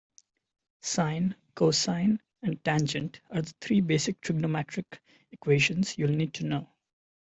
Sine, cosine and tangent are three basic trigonometric equations you'll need to know.